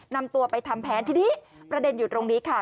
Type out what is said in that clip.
นำตัวไปทำแผนทีนี้ประเด็นอยู่ตรงนี้ค่ะ